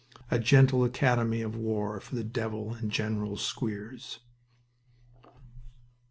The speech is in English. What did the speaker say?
A gentle academy of war for the devil and General Squeers!